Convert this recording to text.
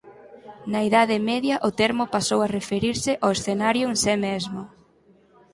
Na Idade Media o termo pasou a referirse ao escenario en se mesmo.